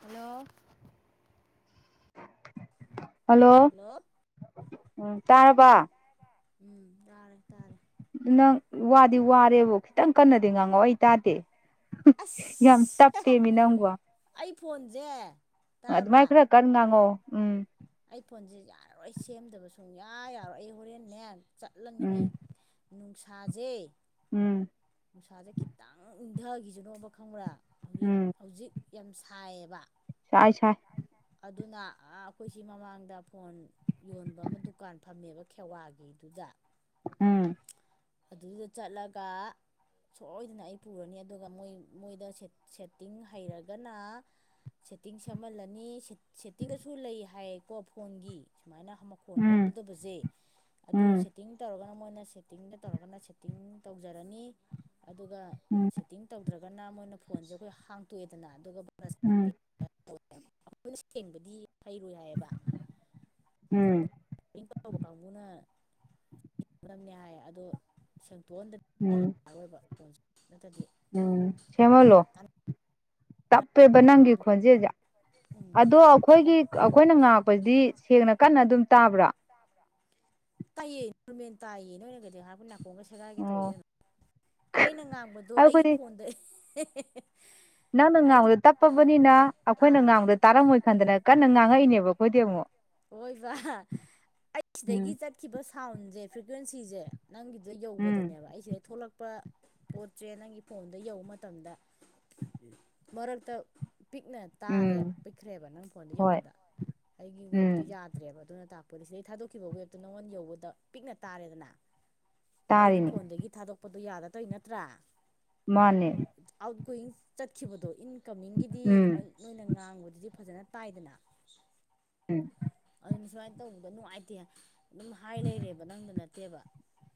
Hello hello ꯎꯝ ꯇꯥꯔꯕ ꯎꯝ ꯇꯥꯔꯦ ꯇꯥꯔꯦ ꯅꯪ ꯋꯥꯗꯤ ꯋꯥꯔꯦꯕ ꯈꯤꯇꯪ ꯀꯟꯅꯗꯤ ꯉꯥꯡꯉꯛ ꯑꯩ ꯇꯥꯗꯦ ꯌꯥꯝ ꯑꯁ ꯇꯞꯄꯦꯃꯤ ꯅꯪꯕꯣ ꯑꯩ ꯐꯣꯟꯁꯦ ꯑꯗꯨꯃꯥꯏꯅ ꯇꯥꯕ꯭ꯔꯥ ꯈꯔ ꯀꯟꯅ ꯉꯥꯡꯉꯛꯎ ꯎꯝ ꯑꯩ ꯐꯣꯟꯁꯦ ꯌꯥꯔꯔꯣꯏ ꯁꯦꯝꯗꯕ ꯁꯨꯡ ꯌꯥ ꯌꯥꯔꯣꯏ ꯑꯩ ꯍꯣꯔꯦꯟꯅꯦ ꯆꯠꯂꯅꯤ ꯎꯝ ꯑꯩ ꯅꯨꯡꯁꯥꯖꯩ ꯎꯝ ꯅꯨꯡꯁꯥꯁꯦ ꯈꯤꯇꯪ ꯏꯪꯊꯈꯤꯁꯅꯣꯕ ꯈꯪꯕ꯭ꯔꯥ ꯍꯧꯖꯤꯛ ꯎꯝ ꯍꯧꯖꯤꯛ ꯌꯥꯝ ꯁꯥꯏꯌꯦꯕ ꯁꯥꯏ ꯁꯥꯏ ꯑꯗꯨꯅ ꯑꯩꯈꯣꯏꯁꯤ ꯃꯃꯥꯡꯗ ꯐꯣꯟ ꯌꯣꯟꯕ ꯑꯃ ꯗꯨꯀꯥꯟ ꯐꯝꯃꯦꯕ ꯈꯦꯋꯥꯒꯤꯗꯨꯗ ꯎꯝ ꯑꯗꯨꯗ ꯆꯠꯂꯒ ꯁꯣꯏꯗꯅ ꯑꯩ ꯄꯨꯔꯅꯤ ꯑꯗꯨꯒ ꯃꯣꯏ ꯃꯣꯏꯗ ꯁꯦꯠꯇꯤꯡ ꯍꯩꯔꯒꯅ ꯁꯦꯠꯇꯤꯡ ꯁꯦꯝꯍꯜꯂꯅꯤ ꯁꯦꯠꯇꯤꯡꯒꯁꯨ ꯂꯩ ꯍꯥꯏꯌꯦꯀꯣ ꯐꯣꯟꯒꯤ ꯁꯨꯃꯥꯏꯅ ꯃꯈꯣꯟ ꯎꯝ ꯍꯧꯗꯕꯁꯦ ꯑꯗꯨ ꯎꯝ ꯁꯦꯠꯇꯤꯡ ꯇꯧꯔꯒꯅ ꯃꯣꯏꯅ ꯁꯦꯠꯇꯤꯡꯗ ꯇꯧꯔꯒꯅ ꯁꯦꯠꯇꯤꯡ ꯇꯧꯖꯔꯅꯤ ꯑꯗꯨꯒ ꯎꯝ ꯇꯤꯡ ꯇꯧꯗ꯭ꯔꯒꯅ ꯃꯣꯏꯅ ꯐꯣꯟꯁꯦ ꯑꯩꯈꯣꯏ ꯍꯥꯡꯇꯣꯛꯑꯦꯗꯅ ꯑꯗꯨꯒ ꯃꯥꯅ ꯎꯝ [unintelligible] [unintelligible] ꯑꯩꯈꯣꯏꯅ ꯁꯦꯡꯕꯗꯤ ꯍꯩꯔꯣꯏ ꯍꯥꯏꯌꯦꯕ ꯎꯝ ꯇꯧꯕ ꯀꯥꯡꯕꯨꯅꯤꯡꯒꯅꯦ ꯍꯥꯏ ꯑꯗꯣ ꯁꯦꯡꯇꯣꯛꯑꯟꯗ ꯎꯝ ꯑ ꯑꯣꯏꯕ ꯐꯣꯟ ꯅꯠꯇꯗꯤ ꯎꯝ ꯁꯦꯝꯃꯂꯣ ꯆꯞꯄꯦꯕ ꯅꯪꯒꯤ ꯈꯣꯟꯖꯦꯜꯖꯦ ꯎꯝ ꯑꯗꯣ ꯌꯥꯝ ꯑꯩꯈꯣꯏꯒꯤ ꯑꯩꯈꯣꯏꯅ ꯉꯥꯛꯄꯁꯤꯗꯤ ꯁꯦꯡꯅ ꯀꯟꯅ ꯑꯗꯨꯝ ꯇꯥꯕ꯭ꯔꯥ ꯇꯥꯏꯌꯦ ꯅꯣꯔꯃꯦꯜ ꯇꯥꯏꯌꯦ ꯅꯔꯒꯩꯗꯤ ꯍꯥꯄ ꯅꯥꯀꯣꯡꯒ ꯁꯦꯒꯥꯏꯒꯦ ꯑꯣ ꯇꯧꯋꯗꯅꯣ ꯑꯩꯅ ꯉꯥꯡꯕꯗꯣ ꯑꯩꯒꯤ ꯑꯩꯈꯣꯏꯗꯤ ꯐꯣꯟꯗ [unintelligible] ꯅꯪꯅ ꯑꯩ ꯉꯥꯡꯕꯗ ꯇꯞꯄꯕꯅꯤꯅ ꯑꯩꯈꯣꯏꯅ ꯑꯥ ꯉꯥꯡꯕꯗ ꯇꯥꯔꯝꯃꯣꯏ ꯈꯟꯗꯅ ꯀꯟꯅ ꯉꯥꯡꯉꯛꯏꯅꯦꯕ ꯑꯩꯈꯣꯏꯗꯤ ꯑꯃꯨꯛ ꯍꯣꯏꯕ ꯑꯩ ꯎꯝ ꯁꯤꯗꯒꯤ ꯆꯠ ꯀꯠꯈꯤꯕ ꯁꯥꯎꯟꯁꯦ ꯐ꯭ꯔꯤꯀ꯭ꯋꯦꯟꯁꯤꯁꯦ ꯅꯪꯒꯤꯗꯨꯗ ꯎꯝ ꯌꯧꯕꯗꯅꯦꯕ ꯑꯩꯁꯗ ꯊꯣꯛꯂꯛꯄ ꯑꯄ ꯄꯣꯠꯁꯦ ꯅꯪꯒꯤ ꯐꯣꯟꯗ ꯌꯧꯕ ꯃꯇꯝꯗ ꯃꯔꯛꯇ ꯄꯤꯛꯅ ꯇꯥꯔꯦ ꯎꯝ ꯄꯤꯛꯈ꯭ꯔꯦꯕ ꯅꯪ ꯐꯣꯟꯗ ꯍꯣꯏ ꯌꯧꯕꯗ ꯑꯩꯒꯤ ꯋꯦꯞꯇꯣ ꯎꯝ ꯌꯥꯗ ꯐꯠꯇ꯭ꯔꯦꯕ ꯑꯗꯨꯅ ꯇꯥꯛꯄꯅꯤ ꯁꯤꯗꯩ ꯊꯥꯗꯣꯛꯈꯤꯕ ꯋꯦꯕꯇꯣ ꯅꯉꯣꯟ ꯌꯧꯕꯗ ꯄꯤꯛꯅ ꯇꯥꯔꯦꯗꯅ ꯑꯗ ꯑꯩꯒꯤ ꯇꯥꯔꯤꯅꯤ ꯐꯣꯟꯗꯒꯤ ꯊꯥꯗꯣꯛꯄꯗꯣ ꯌꯥꯗꯇꯣꯏ ꯅꯠꯇ꯭ꯔꯥ ꯃꯥꯅꯦ ꯑꯥꯎꯠꯒꯣꯋꯤꯡ ꯆꯠꯈꯤꯕꯗꯣ ꯏꯟꯀꯃꯤꯡꯒꯤꯗꯤ ꯎꯝ ꯑꯩ ꯅꯣꯏꯅ ꯉꯥꯡꯕꯗꯨꯗꯤ ꯐꯖꯅ ꯇꯥꯏꯗꯅ ꯎꯝ ꯑꯗꯨꯅ ꯁꯨꯃꯥꯏꯅ ꯇꯧꯕꯗ ꯅꯨꯡꯉꯥꯏꯇꯦ ꯑꯗꯨꯝ ꯍꯥꯏ ꯂꯩꯔꯦꯕ ꯅꯪꯗ ꯅꯠꯇꯦꯕ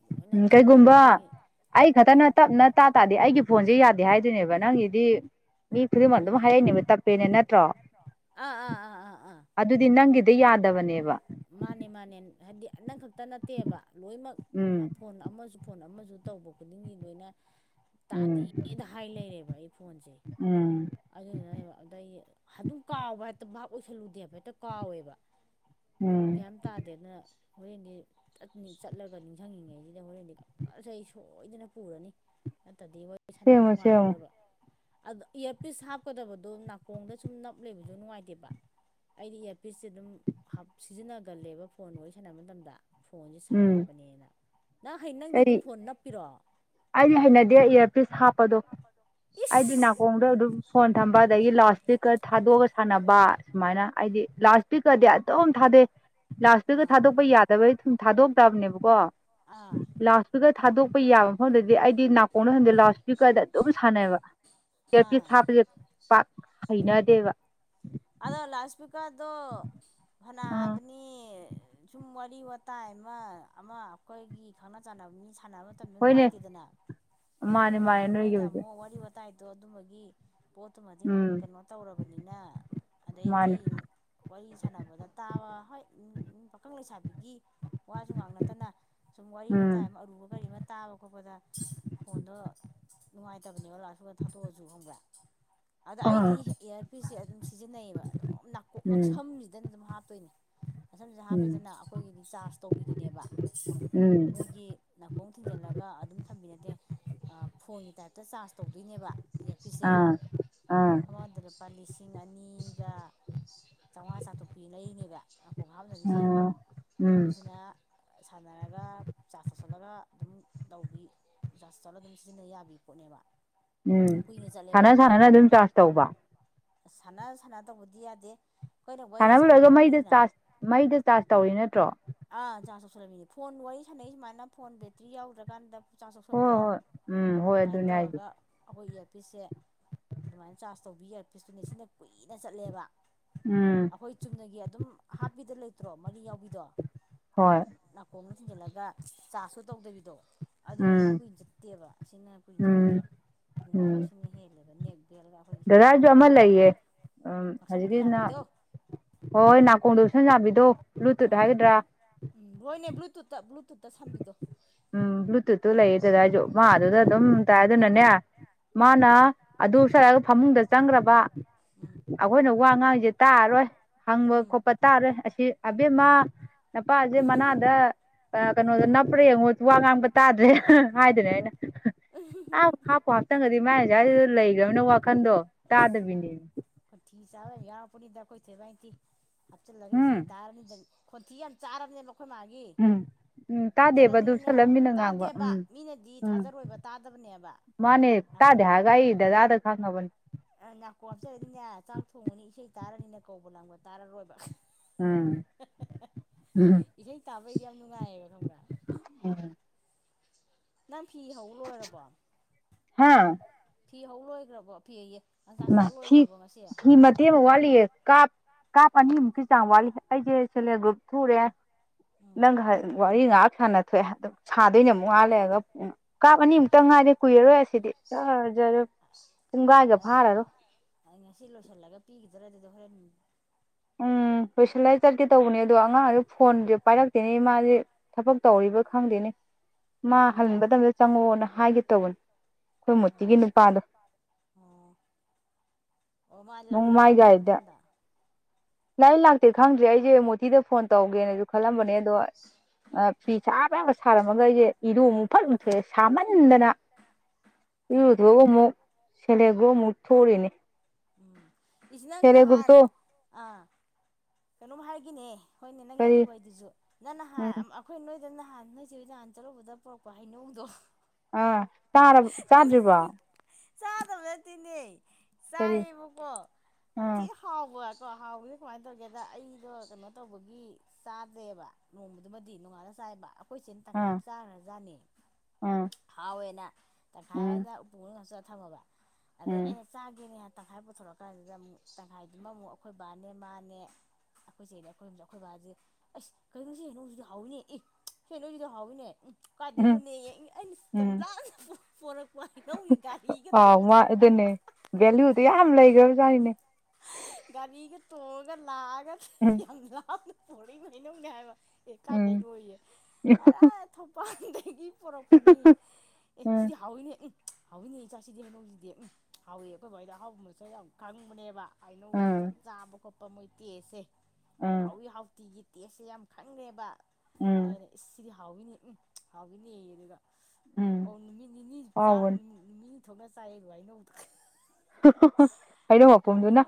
ꯂꯣꯏꯅ ꯎꯝ ꯆꯨꯝꯅꯅ ꯀꯩꯒꯨꯝꯕ ꯑꯩꯈꯣꯏꯒꯤ ꯑꯩ ꯈꯛꯇꯅ ꯎꯝ ꯇꯞꯅ ꯇꯇꯥ ꯇꯥꯗꯦ ꯑꯩꯒꯤ ꯐꯣꯟꯁꯦ ꯌꯥꯗꯦ ꯍꯥꯏꯗꯣꯏꯅꯦꯕ ꯅꯪꯒꯤꯗꯤ ꯃꯤ ꯈꯨꯗꯤꯡꯃꯛ ꯎꯝ ꯑꯗꯨꯝ ꯍꯥꯏꯔꯛꯏꯅꯦꯕ ꯇꯞꯄꯦꯅꯦ ꯅꯠꯇ꯭ꯔꯣ ꯑꯥ ꯑꯥ ꯑꯥ ꯑꯥ ꯑꯥ ꯑꯗꯨꯗꯤ ꯅꯪꯒꯤꯗꯤ ꯌꯥꯗꯕꯅꯦꯕ ꯃꯥꯅꯦ ꯃꯥꯅꯦ ꯍꯥꯏꯕꯗꯤ ꯅꯪꯈꯛꯇꯪ ꯅꯠꯇꯦꯕ ꯂꯣꯏꯅꯃꯛ ꯎꯝ ꯐꯣꯟ ꯑꯃꯁꯨ ꯐꯣꯟ ꯑꯃꯁꯨ ꯇꯧꯕ ꯈꯨꯗꯤꯡꯒꯤ ꯂꯣꯏꯅ ꯎꯝ ꯇꯥꯗꯦꯗ ꯍꯥꯏ ꯂꯩꯔꯦꯕ ꯑꯩ ꯐꯣꯟꯖꯩ ꯎꯝ ꯑꯗꯨꯗꯨꯅꯦꯕ ꯑꯩ ꯑꯗꯨꯝ ꯀꯥꯎꯕ ꯍꯦꯛꯇ ꯚꯞ ꯑꯣꯏꯁꯜꯂꯨꯗꯦꯕ ꯍꯦꯛꯇ ꯀꯥꯎꯋꯦꯕ ꯎꯝ ꯒ꯭ꯌꯥꯟ ꯇꯥꯗꯦꯅ ꯍꯣꯔꯦꯟꯗꯤ ꯆꯠꯂꯒ ꯅꯤꯡꯁꯤꯡꯉꯤꯉꯩꯁꯤꯗ ꯍꯣꯔꯦꯟꯗꯤ ꯀꯁ ꯑꯩ ꯁꯣꯏꯗꯅ ꯄꯨꯔꯅꯤ ꯅꯠꯇꯗꯤ ꯋꯥꯔꯤ ꯁꯥꯟꯅꯕ ꯁꯦꯝꯃꯣ ꯁꯦꯝꯃꯣ ꯅꯨꯡꯉꯥꯏꯔꯔꯣꯏꯕ ꯑ ꯏꯌꯥꯔꯄꯤꯁ ꯍꯥꯞꯀꯗꯕꯗꯣ ꯅꯥꯀꯣꯡꯗ ꯁꯨꯝ ꯅꯞ ꯂꯩꯕꯁꯨ ꯅꯨꯡꯉꯥꯏꯇꯦꯕ ꯑꯩꯗꯤ ꯏ ꯄꯤꯁꯁꯦ ꯑꯗꯨꯝ ꯍꯥꯞ ꯁꯤꯖꯤꯟꯅꯒꯜꯂꯦꯕ ꯐꯣꯟ ꯋꯥꯔꯤ ꯁꯥꯟꯅꯕ ꯃꯇꯝꯗ ꯐꯣꯟꯁꯦ ꯎꯝ ꯁꯥꯒꯠꯄꯅꯦꯅ ꯅꯪ ꯍꯌꯦ ꯅꯪꯗꯤ ꯑꯗꯨꯝ ꯐꯣꯟ ꯅꯞꯄꯤꯔꯣ ꯑꯩ ꯍꯩꯅꯗꯦ ꯏꯌꯥꯔꯄꯤꯁ ꯍꯥꯞꯄꯗꯣ ꯑꯩꯗꯤ ꯏꯁ ꯅꯥꯀꯣꯡꯗ ꯑꯗꯨꯝ ꯐꯣꯟ ꯊ ꯑꯗꯒꯤ ꯂꯥꯎꯗꯁ꯭ꯄꯤꯛꯀꯔ ꯊꯥꯗꯣꯛꯑꯒ ꯁꯥꯟꯅꯕ ꯁꯨꯃꯥꯏꯅ ꯍꯥꯏꯗꯤ ꯂꯥꯎꯗꯁ꯭ꯄꯤꯛꯀꯔꯗꯤ ꯑꯗꯨꯝ ꯊꯥꯗꯩ ꯂꯥꯎꯗꯁ꯭ꯄꯤꯛꯀꯔ ꯑꯥ ꯊꯥꯗꯣꯛꯄ ꯌꯥꯗꯕꯩ ꯁꯨꯝ ꯊꯥꯗꯣꯛꯇꯕꯅꯦꯕꯀꯣ ꯑꯥ ꯂꯥꯎꯗ ꯄꯤꯀꯔ ꯊꯥꯗꯣꯛꯄ ꯌꯥꯕ ꯃꯐꯝꯗꯗꯤ ꯑꯩꯗꯤ ꯅꯥꯀꯣꯡꯅ ꯈꯪꯗꯦ ꯂꯥꯎꯗ ꯁ꯭ꯄꯤꯀꯔꯗ ꯑꯗꯨꯝ ꯁꯥꯟꯅꯩꯑꯕ ꯇꯔ ꯑꯥ ꯄꯤꯁ ꯍꯥꯞꯄꯁꯦ ꯄꯥꯛ ꯍꯩꯅꯗꯦꯕ ꯑꯗꯣ ꯂꯥꯎꯠ ꯁ꯭ꯄꯤꯛꯀꯔꯗ ꯎꯝ ꯐꯅꯕ ꯃꯤ ꯁꯨꯝ ꯋꯥꯔꯤ ꯋꯥꯇꯥꯏ ꯑꯃ ꯑꯃ ꯑꯩꯈꯣꯏꯒꯤ ꯈꯪꯅ ꯆꯥꯟꯅꯕ ꯃꯤ ꯁꯥꯟꯅꯕ ꯃꯇꯝꯗ ꯍꯣꯏꯅꯦ ꯅꯨꯡꯉꯥꯏꯇꯦꯗꯅ ꯃꯥꯅꯦ ꯑꯗ ꯃꯥꯅꯦ ꯅꯣꯏꯅ ꯅꯣꯏꯒꯤꯕꯨꯗꯤ ꯑꯃꯨꯛ ꯋꯥꯔꯤ ꯋꯥꯥꯏ ꯇꯥꯏꯗꫭ ꯑꯗꯨꯝꯕꯒꯤ ꯄꯣꯠꯇꯨꯃꯗꯤ ꯎꯝ ꯀꯩꯅꯣ ꯇꯧꯔꯕꯅꯤꯅ ꯑꯗꯩꯒꯤ ꯃꯥꯅꯦ ꯋꯥꯔꯤ ꯁꯥꯟꯅꯕꯗ ꯇꯥꯕ ꯍꯣꯏ ꯄꯥꯈꯪ ꯂꯩꯁꯥꯕꯤꯒꯤ ꯋꯥꯁꯨ ꯉꯥꯡ ꯅꯠꯇꯅ ꯁꯨꯝ ꯋꯥꯔꯤ ꯋꯥꯇꯥꯏ ꯎꯝ ꯑꯃ ꯑꯔꯨꯕ ꯀꯔꯤ ꯇꯥꯕ ꯈꯣꯠꯄꯗ ꯐꯣꯟꯗꯣ ꯅꯨꯡꯉꯥꯏꯇꯕꯅꯦꯕ ꯂꯥꯎꯗꯁ꯭ꯄꯤꯛꯀꯔ ꯊꯥꯗꯣꯛꯑꯁꯨ ꯈꯪꯕ꯭ꯔꯥ ꯑꯗ ꯑꯥ ꯑꯩꯗꯤ ꯏꯌꯥꯔꯄꯤꯁꯁꯦ ꯑꯗꯨꯝ ꯁꯤꯖꯤꯟꯅꯩꯌꯦꯕ ꯑꯗꯨꯝ ꯅꯥꯀꯣꯛ ꯎꯝ ꯉꯛꯁꯝꯁꯤꯗꯅ ꯑꯗꯨꯝ ꯍꯥꯞꯇꯣꯏꯅꯦ ꯉꯛꯁꯝꯖꯤꯗ ꯎꯝ ꯍꯥꯞꯄꯦꯗꯅ ꯑꯩꯈꯣꯏꯒꯤꯗꯤ ꯆꯥꯔꯖ ꯇꯧꯕꯤꯗꯨꯅꯦꯕ ꯎꯝ ꯅꯣꯏꯒꯤ ꯅꯥꯀꯣꯡ ꯊꯤꯡꯖꯤꯜꯂꯒ ꯑꯗꯨꯝ ꯊꯝꯕꯤꯅꯗꯦ ꯐꯣꯟꯒꯤ ꯇꯥꯏꯞꯇ ꯆꯥꯔꯖ ꯇꯧꯗꯣꯏꯅꯦꯕ ꯌꯥꯄꯤꯁꯁꯦ ꯑꯥ ꯑꯥ ꯑꯃꯗ ꯂꯨꯄꯥ ꯂꯤꯁꯤꯡ ꯑꯅꯤ ꯑꯅꯤꯒ ꯆꯥꯝꯃꯉꯥ ꯆꯥꯇ꯭ꯔꯨꯛ ꯄꯤ ꯑꯅ ꯂꯩꯅꯦꯕ ꯈꯣꯡ ꯍꯥꯞꯅꯕꯖꯦ ꯑꯥ ꯎꯝ ꯑꯗꯨꯗꯨꯅ ꯁꯥꯟꯅꯔꯒ ꯆꯥꯁ ꯊꯧꯁꯜꯂꯒ ꯑꯗꯨꯝ ꯇꯧꯕꯤ ꯆꯥꯁ ꯇꯧꯔꯒ ꯑꯗꯨꯝ ꯁꯤꯖꯤꯟꯅꯕ ꯌꯥꯕ ꯄꯣꯠꯅꯦꯕ ꯎꯝ ꯀꯨꯏꯅ ꯆꯠꯂꯦꯕ ꯁꯥꯟꯅ ꯁꯥꯟꯅꯅ ꯑꯗꯨꯝ ꯈꯥꯡꯉꯦꯕ ꯆꯥꯖ ꯇꯧꯕ ꯁꯥꯟꯅ ꯁꯥꯟꯅ ꯇꯧꯕꯗꯤ ꯌꯥꯗꯦ ꯑꯩꯈꯣꯏꯅ ꯋꯥꯔꯤ ꯁꯥꯟꯅꯕ ꯂꯣꯏꯒ ꯃꯩꯗ ꯁꯥꯟꯅꯔꯝꯃꯅꯤꯅ ꯆꯥꯔꯁ ꯃꯩꯗ ꯆꯥꯔꯁ ꯇꯧꯔꯤ ꯅꯠꯇ꯭ꯔꯣ ꯑꯥ ꯆꯥꯁ ꯇꯧꯁꯜꯂꯝꯃꯤꯅꯦ ꯐꯣꯟ ꯋꯥꯔꯤ ꯁꯥꯟꯅꯩ ꯁꯨꯃꯥꯏꯅ ꯐꯣꯟ ꯕꯦꯇ꯭ꯔꯤ ꯌꯥꯎꯗ꯭ꯔꯀꯥꯟꯗ ꯆꯥꯁ ꯍꯣꯏ ꯊꯧꯁꯤꯜꯂꯝꯗ꯭ꯔꯣ ꯍꯣꯏ ꯎꯝ ꯍꯣꯏ ꯑꯗꯨꯃꯥꯏꯅ ꯑꯗꯨꯅꯦ ꯍꯥꯏꯁꯦ ꯇꯧꯔꯒ ꯑꯩꯈꯣꯏ ꯏꯌꯥꯔꯄꯤꯁꯁꯦ ꯑꯗꯨꯃꯥꯏꯅ ꯆꯥꯔꯖ ꯇꯧꯕꯤ ꯏꯌꯥꯔꯄꯤꯁꯇꯨꯅꯦ ꯁꯤꯅ ꯀꯨꯏꯅ ꯆꯠꯂꯦꯕ ꯎꯝ ꯑꯩꯈꯣꯏ ꯆꯨꯝꯅꯒꯤ ꯑꯗꯨꯝ ꯍꯥꯞꯄꯤꯗ ꯂꯩꯇ꯭ꯔꯣ ꯃꯔꯤ ꯌꯥꯎꯕꯤꯗꯣ ꯍꯣꯏ ꯅꯥꯀꯣꯝꯗ ꯊꯤꯟꯖꯤꯜꯂꯒ ꯆꯥꯁꯁꯨ ꯇꯧꯗꯕꯤꯗꯣ ꯑꯗꯨꯗꯨꯁꯨ ꯎꯝ ꯀꯨꯏꯅ ꯆꯠꯇꯦꯕ ꯁꯤꯅ ꯀꯨꯏꯅ ꯆꯠꯂꯦꯕ ꯎꯝ ꯎꯝ ꯅꯨꯡꯉꯥꯏꯕꯁꯤꯅ ꯍꯦꯜꯂꯦꯕ ꯅꯦꯛ ꯕꯦꯜꯒ ꯑꯩꯈꯣꯏꯒꯤ ꯁꯨꯃꯥꯏꯅ ꯑꯩꯖꯨ ꯑꯃ ꯂꯩꯌꯦ ꯎꯝ ꯍꯧꯖꯤꯛꯀꯤꯁꯤꯅ ꯌꯥꯟꯕꯤꯗꯣ ꯍꯣꯏ ꯍꯣꯏ ꯅꯥꯀꯣꯡꯗ ꯎꯞꯁꯟ ꯆꯕꯤꯗꯣ ꯕ꯭ꯂꯨꯇꯨꯠ ꯑꯥ ꯍꯥꯏꯒꯗ꯭ꯔꯥ ꯎꯝ ꯍꯣꯏꯅꯦ ꯕ꯭ꯂꯨꯇꯨꯠꯇ ꯕ꯭ꯂꯨꯇꯨꯠꯇ ꯁꯝꯕꯤꯗꯣ ꯎꯝ ꯕ꯭ꯂꯨꯇꯨꯠꯇꯨ ꯂꯩꯌꯦ ꯗꯥꯗꯥꯖꯨ ꯃꯥ ꯑꯗꯨꯗ ꯎꯝ ꯑꯗꯨꯝ ꯇꯥꯏ ꯑꯗꯨꯅꯅꯦ ꯎꯝ ꯃꯥꯅ ꯑꯗꯨ ꯎꯞꯁꯜꯂꯒ ꯐꯃꯨꯡꯗ ꯆꯪꯈ꯭ꯔꯕ ꯎꯝ ꯑꯩꯈꯣꯏꯅ ꯋꯥ ꯉꯥꯡꯁꯦ ꯇꯥꯔꯔꯣꯏ ꯍꯪꯕ ꯎꯝ ꯈꯣꯠꯄ ꯇꯥꯔꯣꯏ ꯑꯁꯤ ꯑꯕꯦꯝꯃ ꯅꯄꯥꯁꯦ ꯃꯅꯥꯗ ꯀꯩꯅꯣꯗ ꯅꯞꯄ꯭ꯔ ꯌꯦꯡꯉꯨ ꯋꯥ ꯉꯥꯡꯕ ꯇꯥꯗ꯭ꯔꯦ ꯍꯥꯏꯗꯨꯅ ꯑꯩꯅ ꯑꯥ ꯍꯥꯞꯄ ꯍꯥꯞ ꯇꯪꯒꯗꯤ ꯃꯥꯏꯁꯁꯤꯗ ꯂꯩꯈ꯭ꯔꯅꯤꯅ ꯋꯥꯈꯟꯗꯣ ꯑꯁ ꯇꯥꯗꯕꯤꯅꯦ ꯈꯣꯟꯊꯤ ꯆꯥꯔ ꯌꯥꯎꯔꯕꯅꯤꯗ ꯑꯩꯈꯣꯏ ꯁꯦꯃꯥꯏꯅꯤꯇꯤ ꯍꯥꯞꯆꯤꯜꯂꯒ ꯎꯝ ꯏꯁꯩ ꯇꯥꯔꯅꯤꯗꯅ ꯈꯣꯟꯊꯤ ꯌꯥꯝ ꯆꯥꯔꯕꯅꯦꯕ ꯑꯩꯈꯣꯏ ꯃꯥꯒꯤ ꯎꯝ ꯎꯝ ꯇꯥꯗꯦꯕ ꯑꯗꯨ ꯍꯥꯞꯆꯜꯂꯅꯤꯅꯦ ꯎꯞꯁꯜꯂꯒ ꯃꯤꯅ ꯉꯥꯡꯕ ꯇꯥꯗꯦꯕ ꯎꯝ ꯃꯤꯅꯗꯤ ꯊꯥꯖꯔꯣꯏꯕ ꯇꯥꯗꯕꯅꯦꯕ ꯃꯅꯦ ꯇꯥꯗꯦ ꯍꯥꯏꯔꯒ ꯑꯩ ꯗꯥꯗꯥꯗ ꯈꯪꯉꯕꯅꯦ ꯅꯥꯀꯣ ꯍꯥꯞꯆꯔꯗꯤꯅꯦ ꯆꯥꯛ ꯊꯣꯡꯉꯅꯤ ꯏꯁꯩ ꯇꯥꯔꯅꯤꯅꯦ ꯀꯧꯕ ꯂꯥꯡꯕ ꯇꯥꯔꯔꯣꯏꯕ ꯎꯝ ꯎꯝ [unintelligible] ꯏꯁꯩ ꯇꯥꯕꯩꯗꯤ ꯌꯥꯝ ꯅꯨꯡꯉꯥꯏꯌꯦꯕ ꯈꯪꯕ꯭ꯔꯥ ꯎꯝ ꯅꯪ ꯐꯤ ꯍꯧ ꯂꯣꯏꯔꯕꯣ ꯍꯥꯥ ꯐꯤ ꯍꯧ ꯂꯣꯏꯈ꯭ꯔꯕꯣ ꯐꯤ ꯑꯌꯦ ꯂꯪꯆꯥꯛꯆꯥꯛ ꯂꯣꯏꯈ꯭ꯔꯕꯣ ꯉꯁꯦ ꯇꯦ ꯑꯃ ꯋꯥꯠꯂꯤꯌꯦ ꯀꯥꯞ ꯀꯥꯞ ꯑꯅꯤꯃꯨꯛꯀꯤ ꯆꯥꯡ ꯋꯥꯠꯂꯤ ꯑꯩꯁꯦ ꯁꯦꯜꯐ ꯍꯦꯜꯞ ꯒ꯭ꯔꯨꯞ ꯊꯨꯔꯦ ꯎꯝ ꯅꯪꯒ ꯋꯥꯔꯤ ꯉꯥꯏꯍꯥꯛ ꯁꯥꯟꯅ ꯊꯣꯛꯑꯦ ꯑꯗꯨꯝ ꯁꯥꯗꯣꯏꯅ ꯑꯃꯨꯛ ꯉꯥꯢꯍꯥꯛꯂꯩꯔꯒ ꯀꯥꯞ ꯑꯅꯤ ꯑꯃꯨꯛꯇꯪ ꯉꯥꯏꯔꯦ ꯀꯨꯏꯔꯔꯣꯏ ꯑꯁꯤꯗꯤ ꯖꯔꯖꯔ ꯨꯄꯨꯡꯒꯥꯏꯒ ꯉꯁꯤ ꯂꯣꯏꯁꯤꯜꯂꯒ ꯄꯤꯈꯤꯗ꯭ꯔꯥ ꯑꯗꯨꯗꯣ ꯍꯣꯔꯦꯟ ꯎꯝ ꯂꯣꯏꯁꯤꯜꯂꯥꯏ ꯆꯠꯀꯦ ꯇꯧꯕꯅꯦ ꯑꯗꯣ ꯑꯉꯥꯡꯗ ꯐꯣꯟꯁꯨ ꯄꯥꯏꯔꯛꯇꯦꯅꯦ ꯏꯃꯥꯁꯦ ꯊꯕꯛ ꯇꯧꯔꯤꯕ ꯈꯪꯗꯦꯅꯦ ꯃꯥ ꯄꯤꯡꯀꯨꯗ ꯍꯟꯕ ꯃꯇꯝꯗ ꯆꯪꯉꯛꯑꯣꯅ ꯍꯥꯏꯒꯦ ꯇꯧꯕꯅꯦ ꯑꯩꯈꯣꯏ ꯃꯣꯇꯤꯒꯤ ꯑꯣ ꯅꯨꯄꯥꯗꯣ ꯑꯣ ꯑꯣ ꯃꯥꯗꯤ ꯂꯥꯛꯇꯤ ꯅꯣꯡꯃꯥꯏ ꯂꯥꯛꯑꯕ ꯒꯥꯔꯤꯗ ꯏꯝꯐꯥꯜꯗ ꯂꯥꯛꯏ ꯂꯥꯛꯇꯦ ꯈꯪꯗ꯭ꯔꯦ ꯑꯩꯁꯦ ꯃꯣꯇꯤꯗ ꯐꯣꯟ ꯇꯧꯒꯦꯅꯁꯨ ꯈꯜꯂꯝꯕꯅꯦ ꯑꯗꯣ ꯐꯤ ꯁꯥꯕꯌꯥꯕ ꯁꯥꯔꯝꯃꯒ ꯑꯩꯁꯦ ꯏꯔꯣꯃꯨꯛ ꯐꯠ ꯁꯥꯃꯟꯗꯅ ꯏꯔꯨ ꯎꯝ ꯂꯨꯊꯣꯛꯑꯒ ꯑꯃꯨꯛ ꯁꯦꯜꯐ ꯍꯦꯜꯞ ꯒ꯭ꯔꯨꯞ ꯑꯃꯨꯛ ꯊꯣꯛꯎꯔꯤꯅꯤ ꯎꯝ ꯏꯁ ꯅꯪ ꯅꯍꯟ ꯒ꯭ꯔꯨꯞꯇꯣ ꯑꯥ ꯀꯩꯅꯣꯝ ꯍꯥꯏꯒꯦꯅꯦ ꯍꯣꯏꯅꯦ ꯅꯪꯒꯤ ꯀꯔꯤ ꯑꯗꯨ ꯋꯥꯗꯨꯁꯨ ꯅꯪ ꯎꯝ ꯅꯍꯥꯟ ꯑꯩꯈꯣꯏ ꯅꯣꯏꯗ ꯅꯍꯥꯟ ꯅꯣꯏꯁꯦ ꯍꯣꯏ ꯅꯍꯥꯟ ꯆꯠꯂꯨꯕꯗ ꯄꯨꯔꯛꯄ ꯍꯩ ꯍꯅꯧꯗꯣ ꯑꯥ ꯆꯥꯔꯕ ꯆꯥꯗ꯭ꯔꯤꯕꯣ ꯆꯗ [inaudible] ꯇꯦꯅꯦ ꯀꯔꯤ ꯆꯥꯏꯑꯕꯀꯣ ꯌꯥꯝ ꯊꯤ ꯎꯝ ꯍꯥꯎꯕꯀꯣ ꯍꯥꯎꯕ ꯁꯦ ꯀꯃꯥꯏ ꯀ ꯇꯧꯒꯦꯗ ꯑꯩꯗꯣ ꯀꯩꯅꯣ ꯇꯧꯕꯒꯤ ꯆꯥꯗꯦꯕ ꯅꯣꯡꯃꯗꯨꯃꯗꯤ ꯅꯣꯡꯉꯥꯜꯅ ꯆꯥꯏꯕ ꯑꯩꯈꯣꯏꯁꯤꯅ ꯇꯪꯈꯥꯏ ꯑꯃ ꯎꯝ ꯆꯥꯈ꯭ꯔꯖꯥꯠꯅꯤ ꯎꯝ ꯍꯥꯎꯋꯦꯅ ꯇꯪꯈꯥꯏ ꯎꯝ ꯑꯃꯗ ꯄꯨ ꯉꯥꯛꯁꯜꯂꯥ ꯊꯝꯃꯕ ꯑꯗꯩ ꯎꯝ ꯑꯩ ꯆꯥꯒꯦꯅꯦ ꯇꯪꯈꯥꯏ ꯄꯨꯊꯣꯔꯛꯑ ꯀꯥꯟꯁꯤꯗ ꯑꯃꯨꯛ ꯇꯪꯈꯥꯏꯗꯨꯃ ꯑꯃꯨꯛ ꯑꯩꯈꯣꯏ ꯕꯥꯅꯦ ꯃꯥ ꯑꯩꯈꯣꯏ ꯆꯦꯗ ꯑꯩꯈꯣꯏ ꯍꯨꯝꯁꯦ ꯑꯩꯈꯣꯏ ꯕꯥꯁꯦ ꯑꯁ ꯀꯔꯤꯅꯣ ꯁꯤ ꯍꯩꯅꯧꯁꯤꯗꯤ ꯍꯥꯎꯏꯅꯦ ꯏ ꯁꯤ ꯍꯩꯅꯧꯁꯤꯗꯤ ꯍꯥꯎꯏꯅꯦ ꯎꯝ ꯎꯝ ꯀꯥꯏꯗꯣꯏꯅꯣꯅꯦ ꯑꯩꯅ ꯎꯝ ꯆꯖꯥꯅ ꯄꯣꯔꯛꯄ ꯍꯩꯅꯧꯅꯤ ꯒꯔꯤꯒ ꯑꯥꯎ ꯃꯥ ꯊꯣꯡꯉꯒꯥ ꯑꯗꯨꯅꯦ ꯚꯦꯂꯨꯗꯣ ꯌꯥꯝ ꯂꯩꯒꯔꯕꯖꯥꯅꯤꯅꯦ ꯒꯥꯔꯤꯒ ꯇꯣꯡꯉꯥꯒ ꯂꯥꯑꯒ [unintelligible] ꯌꯥꯝ ꯂꯥꯞꯅ ꯄꯣꯔꯛꯏꯕ ꯍꯩꯅꯧꯅꯦ ꯍꯥꯏꯕ ꯑꯦ ꯎꯝ ꯀꯥꯏꯗꯩꯅꯣꯌꯦ ꯎꯝ [unintelligible] ꯟꯗꯒꯤ ꯄꯣꯔꯛꯄꯅꯤ ꯑꯦ ꯁꯤꯗꯤ ꯍꯥꯎꯏꯅꯦ ꯍꯥꯎꯋꯤꯅꯦ ꯏꯆꯥꯁꯤꯗꯤꯁꯤꯗꯤ ꯍꯩꯅꯧꯗꯤꯗꯤ ꯎꯝ ꯍꯧꯋꯦꯌꯦ ꯑꯩꯈꯣꯏ ꯕꯥꯏꯗꯤ ꯑꯍꯥꯎꯕ ꯃꯁꯛ ꯌꯥꯝ ꯈꯪꯕꯅꯦꯕ ꯍꯥꯏꯅꯧ ꯎꯝ ꯆꯥꯕ ꯈꯣꯠꯄ ꯃꯣꯏ ꯇꯦꯁꯁꯦ ꯎꯝ ꯍꯥꯎꯋꯤ ꯍꯥꯎ ꯇꯤꯒꯤ ꯇꯦꯁꯁꯦ ꯌꯥꯝ ꯈꯪꯉꯦꯕ ꯎꯝ ꯍꯥꯏꯗꯤ ꯁꯤꯗꯤ ꯍꯥꯎꯏꯅꯤ ꯎꯝ ꯍꯥꯎꯏꯅꯦ ꯑꯗꯨꯒ ꯑꯣ ꯎꯝ ꯅꯨꯃꯤꯠ ꯅꯤꯅꯤ ꯆꯥ ꯍꯥꯎꯕꯅꯤ ꯃꯤ ꯊꯣꯛꯅꯥ ꯆꯥꯏꯕ ꯍꯩꯅꯎꯗꯣ ꯍꯩꯅꯧ ꯃꯥꯄꯨꯝꯗꯨꯅ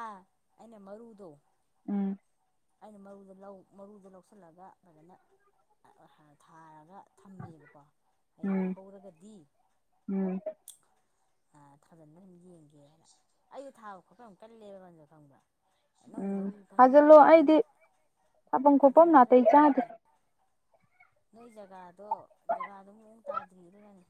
ꯑꯥ ꯑꯩꯅꯥ ꯃꯔꯨꯗꯣ [inaudible] ꯑꯩꯅ ꯃꯔꯨꯗꯣ ꯂꯧ ꯃꯔꯨꯗꯣ ꯂꯧꯁꯤꯜꯂꯒ ꯐꯖꯅ ꯊꯥꯔꯒ ꯊꯝꯃꯦꯕꯀꯣ ꯍꯌꯦꯡ ꯎꯝ ꯍꯧꯔꯒꯗꯤ ꯎꯝ ꯊꯥꯖꯟꯂ ꯑꯗꯨꯝ ꯌꯦꯡꯒꯦꯅ ꯑꯩꯁꯨ ꯊꯥꯕ ꯈꯣꯠꯄ ꯑꯃ ꯀꯜꯂꯦꯕ ꯀꯩꯅꯣꯁꯦ ꯈꯪꯕ꯭ꯔꯥ ꯍꯩꯅꯧ ꯃꯔꯨ ꯈꯪꯗꯦ ꯍꯂꯣ ꯀꯩꯅꯣ ꯑꯩꯗꯤ ꯈꯪꯗꯦ ꯊꯥꯐꯝ ꯊꯥꯖꯤꯟ ꯈꯣꯐꯝ ꯅꯥꯇꯩ ꯈꯣꯠꯆꯤꯟꯕ ꯌꯥꯝ ꯆꯥꯗꯦ ꯀꯜꯂꯦ ꯅꯣꯏ ꯖꯒꯥꯗꯣ ꯖꯒꯥꯗꯨ ꯃꯑꯣꯡ ꯇꯥꯗ꯭ꯔꯤꯗꯨꯅꯅꯦ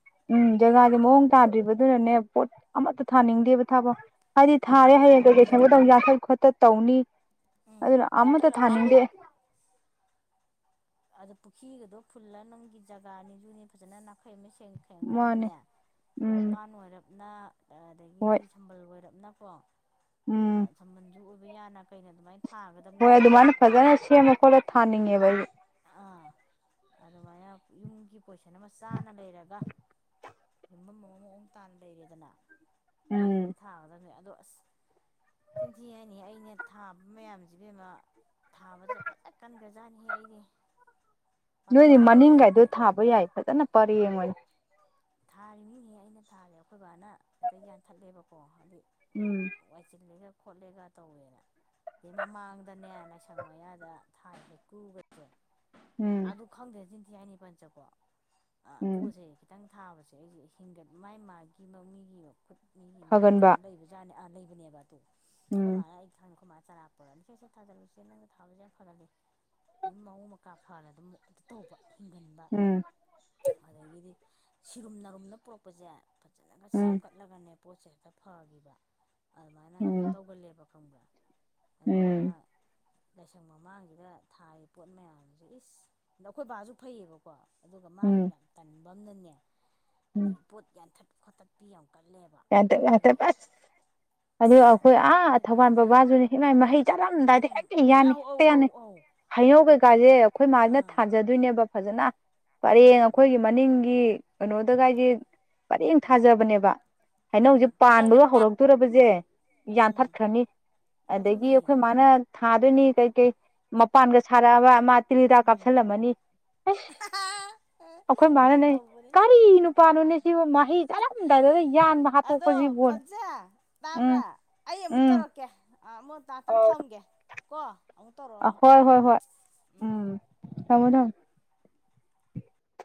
ꯊꯥꯎꯔꯁꯨ ꯀꯥꯟꯅꯔꯣꯏ ꯑꯗꯨꯅꯅꯦ ꯄꯣꯠ ꯑꯃꯠꯇ ꯊꯥꯅꯤꯡꯗꯦꯕ ꯊꯥꯕꯣ ꯍꯥꯏꯗꯤ ꯊꯥꯔꯦ ꯍꯌꯦꯡ ꯀꯩ ꯀꯩ ꯁꯦꯝꯕꯥ ꯇꯧ ꯌꯥꯊꯠ ꯈꯣꯠꯇꯠ ꯇꯧꯅꯤ ꯎꯝ ꯑꯗꯨꯅ ꯑꯃꯠꯇ ꯊꯥꯅꯤꯡꯗꯦ ꯑꯗꯨ ꯄꯨꯈ꯭ꯔꯤꯒꯗꯣ ꯐꯨꯜꯂ ꯅꯪꯒꯤ ꯖꯒꯥꯅꯤꯗꯨ ꯅꯤ ꯐꯖꯅ ꯅꯥꯈꯩ ꯑꯃ ꯁꯦꯡ ꯁꯦꯡ ꯃꯥꯅꯦ ꯀꯥꯟꯗꯅꯦ ꯎꯝ ꯃꯄꯥꯟ ꯑꯣꯏꯔꯞꯅ ꯍꯣꯏ ꯑꯗꯒꯤꯗꯤ ꯁꯝꯕꯜ ꯑꯣꯏꯔꯞꯅꯀꯣ ꯎꯝ ꯁꯝꯕꯜꯁꯨ ꯑꯣꯏꯕ ꯌꯥꯅ ꯀꯩꯅꯣ ꯑꯗꯨꯃꯥꯏꯅ ꯍꯣꯏ ꯊꯥꯒꯗꯕꯅꯦꯕ ꯑꯗꯨꯃꯥꯏꯅ ꯐꯖꯅ ꯁꯦꯝꯃ ꯈꯣꯠꯂ ꯊꯥꯅꯤꯡꯉꯦꯕ ꯑꯥ ꯑꯗꯨꯃꯥꯏꯅ ꯌꯨꯝꯒꯤ ꯄꯣꯖꯤꯁꯟ ꯑꯃ ꯆꯥꯅ ꯂꯩꯔꯒ ꯌꯨꯝꯐꯝ ꯑꯃ ꯃꯑꯣꯡ ꯇꯥꯅ ꯂꯩꯔꯦꯗꯅ ꯎꯝ ꯑꯩꯅ ꯊꯥꯒꯗꯕꯅꯦ ꯑꯗꯣ ꯑꯁ [unintelligible] ꯑꯩꯅ ꯊꯥꯕ ꯃꯌꯥꯝꯁꯤ ꯏꯕꯦꯝꯃ ꯊꯥꯕꯁꯦ ꯐꯖ ꯀꯟꯒꯔꯖꯥꯠꯅꯤꯍꯦ ꯑꯩꯗꯤ ꯄꯥꯝꯕꯤ ꯅꯣꯏꯗꯤ ꯃꯅꯤꯡꯒꯥꯏꯗꯣ ꯊꯥꯕꯁꯤꯁꯨꯅꯦ ꯈꯨꯠ ꯊꯥꯕ ꯌꯥꯏ ꯐꯩꯌꯦ ꯐꯖꯅ ꯄꯔꯦꯡ ꯑꯣꯏꯅ ꯊꯥꯔꯤꯅꯤꯅꯦꯍꯦ ꯑꯩꯅ ꯊꯥꯔꯦ ꯑꯩꯈꯣꯏ ꯕꯅ ꯑꯦꯛꯇ ꯌꯥꯟꯊꯠꯂꯦꯕꯀꯣ ꯍꯥꯏꯗꯤ ꯎꯝ ꯋꯥꯏꯁꯤꯜꯂꯦꯒ ꯈꯣꯠꯂꯦꯒ ꯇꯧꯋꯦꯅ ꯑꯗꯩ ꯃꯃꯥꯡꯗꯅꯦ ꯂꯥꯏꯁꯪ ꯃꯌꯥꯗ ꯊꯥꯡꯁꯦ ꯍꯩꯀꯨꯒ ꯎꯝ ꯑꯗꯨ ꯈꯪꯗꯦ ꯆꯤꯟꯊꯤ ꯍꯥꯏꯅꯤ ꯄꯟ ꯆꯀꯣ ꯎꯝ ꯄꯣꯠꯁꯦ ꯈꯤꯇꯪ ꯊꯥꯕꯁꯦ ꯑꯩꯁꯦ ꯍꯦꯟꯒꯠ ꯃꯥꯏ ꯃꯥꯒꯤ ꯃꯤꯒꯤ ꯃꯈꯨꯠ ꯃꯤꯒꯤ ꯃꯈꯨꯠ ꯐꯒꯟꯕ ꯀꯥꯏꯅ ꯂꯩꯕꯁꯦ ꯂꯩꯕꯅꯦꯕ ꯑꯗꯣ ꯑꯩꯈꯣꯏ ꯎꯝ ꯃꯥꯅ ꯑꯩ ꯊꯪꯉꯈꯣꯏ ꯃꯥꯅ ꯆꯔꯥ ꯄꯨꯔꯅꯤ ꯁꯦꯁꯦ ꯊꯥꯖꯜꯂꯨꯁꯦ ꯅꯪꯅ ꯊꯥꯕꯁꯦ ꯌꯥꯝ ꯐꯒꯜꯂꯤ ꯑꯗꯨꯝ ꯃꯑꯣꯡ ꯃꯀꯥ ꯐꯔ ꯑꯗꯨꯝ ꯑꯗꯨ ꯇꯧꯕ ꯍꯤꯡꯒꯟꯕ ꯎꯝ ꯑꯗꯒꯤꯗꯤ ꯁꯤꯔꯨꯝ ꯅꯔꯨꯝꯅ ꯄꯨꯔꯛꯄꯁꯦ ꯐꯖꯅꯒ ꯎꯝ ꯁꯦꯝꯒꯠꯂꯒꯅꯦ ꯄꯣꯠꯁꯦ ꯍꯦꯛꯇ ꯐꯈꯤꯕ ꯑꯗꯨꯃꯥꯏꯅ ꯁꯨꯝ ꯎꯝ ꯇꯧꯒꯜꯂꯦꯕ ꯈꯪꯕ꯭ꯔꯥ ꯑꯗꯨꯗꯨꯅ ꯎꯝ ꯂꯥꯏꯁꯪ ꯃꯃꯥꯡꯁꯤꯗ ꯊꯥꯔꯤꯕ ꯄꯣꯠ ꯃꯌꯥꯝꯁꯦ ꯏꯁ ꯑꯗ ꯑꯩꯈꯣꯏ ꯕꯥꯁꯨ ꯐꯩꯌꯦꯕꯀꯣ ꯑꯗꯨꯒ ꯃꯥꯒꯤ ꯎꯝ ꯌꯥꯝ ꯇꯟꯕ ꯑꯃꯅꯅꯦ ꯎꯝ ꯄꯣꯠ ꯌꯥꯟꯊꯠ ꯈꯣꯠꯊꯠꯄꯤ ꯌꯥꯝ ꯀꯜꯂꯦꯕ ꯌꯥꯟꯇꯛ ꯌꯥꯟꯇꯛ ꯑꯩꯈꯣꯏꯒꯤ ꯑꯁ ꯑꯁ ꯑꯗꯨ ꯑꯩꯈꯣꯏ ꯌꯥꯟꯊꯠꯄꯤ ꯑꯥ ꯊꯧꯕꯥꯜ ꯈꯣꯠꯇꯠꯄꯤꯁꯤꯗꯤ ꯕꯕꯥꯁꯨꯅꯤꯃꯥꯏ ꯃꯍꯩ ꯆꯠꯂꯝꯗꯥꯏꯗ ꯎꯝ ꯍꯦꯛꯛꯇ ꯌꯥꯅꯤ ꯑꯧ ꯑꯧ ꯍꯦꯛꯇ ꯑꯧ ꯌꯥꯅꯤ ꯑꯧ ꯍꯩꯅꯧ ꯀꯩꯀꯥꯁꯦ ꯑꯩꯈꯣꯏ ꯃꯥꯁꯤꯅ ꯑꯥ ꯊꯥꯖꯗꯣꯏꯅꯦꯕ ꯐꯖꯅ ꯎꯝ ꯄꯔꯦꯡ ꯑꯩꯈꯣꯏꯒꯤ ꯃꯅꯤꯡꯒꯤ ꯀꯩꯅꯣꯗ ꯀꯥꯏꯒꯤ ꯄꯔꯦꯡ ꯊꯥꯖꯕꯅꯦꯕ꯫ ꯎꯝ ꯍꯧꯅꯧꯁꯦ ꯄꯥꯟꯕꯗ ꯍꯧꯔꯛꯇꯣꯔꯕꯁꯦ ꯎꯝ ꯌꯥꯟꯊꯠꯈ꯭ꯔꯅꯤ꯫ ꯑꯗꯒꯤ ꯑꯗꯨꯅꯦ ꯑꯩꯈꯣꯏ ꯃꯥꯅ ꯊꯥꯗꯣꯏꯅꯤ ꯀꯩ ꯀꯩ꯫ ꯃꯄꯥꯟꯒ ꯁꯥꯔꯛꯑꯕ ꯑꯃ ꯇꯤꯜꯍꯗꯥꯥꯛ ꯎꯝ ꯀꯥꯞꯁꯤꯜꯂꯝꯃꯅꯤ꯫ ꯑꯩꯈꯣꯏ ꯌꯥꯝ ꯏꯃꯅꯅꯦ ꯇꯧꯕꯅꯦ ꯀꯔꯤ ꯅꯨꯄꯥꯅꯣꯅꯦ ꯁꯤꯕꯨ ꯃꯍꯩ ꯆꯠꯂꯝꯗꯥꯏꯗ ꯌꯥꯟꯕ꯫ ꯑꯗꯣ ꯍꯥꯠꯇꯣꯛꯄꯁꯤꯕꯨ ꯄꯠꯖꯥ ꯇꯥꯕ꯭ꯔꯥ ꯎꯝ ꯑꯩ ꯑꯃꯨꯛ ꯎꯝ ꯇꯧꯔꯛꯀꯦ꯫ ꯇꯥꯛꯇꯪ ꯑꯧ ꯊꯝꯒꯦ ꯀꯣ ꯑꯃꯨꯛ ꯇꯧꯔꯛꯑꯣ ꯑꯃꯨꯛ ꯍꯣꯏ ꯇꯧꯔꯛꯀꯦ ꯍꯣꯏ ꯑꯩ ꯍꯣꯏ ꯎꯝ꯫ ꯊꯝꯃꯣ ꯊꯝꯃꯣ